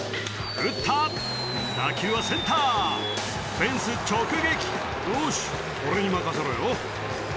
打球はセンターフェンス直撃「よし俺に任せろよ」